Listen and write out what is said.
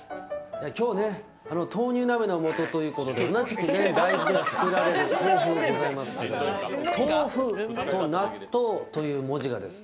今日ね、豆乳鍋の素ということで、同じく大豆で作られる豆腐ございますけれども豆腐と納豆という文字があるんですね。